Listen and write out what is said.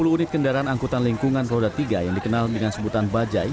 sepuluh unit kendaraan angkutan lingkungan roda tiga yang dikenal dengan sebutan bajaj